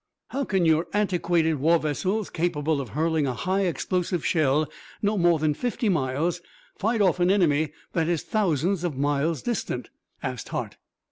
"How can your antiquated war vessels, capable of hurling a high explosive shell no more than fifty miles, fight off an enemy that is thousands of miles distant?" asked Hart.